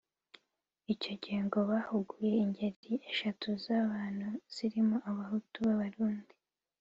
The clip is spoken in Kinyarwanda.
Icyo gihe ngo bahuguye ingeri eshatu z’abantu zirimo abahutu b’Abarundi